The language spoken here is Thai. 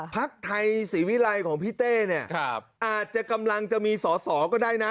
พักไทยศรีวิรัยของพี่เต้เนี่ยอาจจะกำลังจะมีสอสอก็ได้นะ